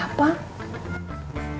ya pak ustadz kemet